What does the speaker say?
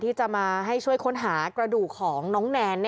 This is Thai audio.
ที่จะมาให้ช่วยค้นหากระดูกของน้องแนน